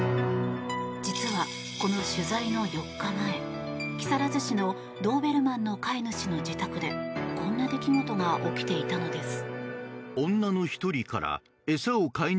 実はこの取材の４日前木更津市のドーベルマンの飼い主の自宅でこんな出来事が起きていたのです。